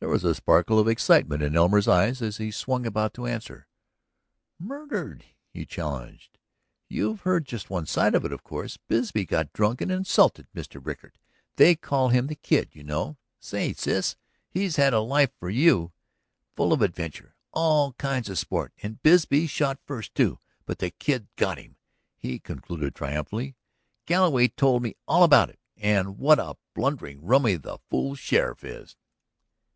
There was a sparkle of excitement in Elmer's eyes as he swung about to answer. "Murdered!" he challenged. "You've heard just one side of it, of course. Bisbee got drunk and insulted Mr. Rickard. They call him the Kid, you know. Say, Sis, he's had a life for you! Full of adventure, all kinds of sport. And Bisbee shot first, too. But the Kid got him!" he concluded triumphantly. "Galloway told me all about it ... and what a blundering rummy the fool sheriff is."